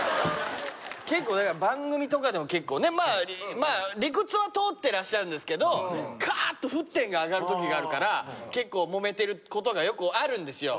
結構だから番組とかでも結構ねまあ理屈は通ってらっしゃるんですけどカーッと沸点が上がる時があるから結構もめてる事がよくあるんですよ